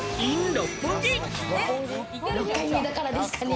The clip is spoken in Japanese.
６回目だからですかね？